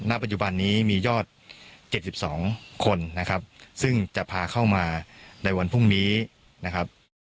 ณปัจจุบันนี้มียอด๗๒คนนะครับซึ่งจะพาเข้ามาในวันพรุ่งนี้นะครับ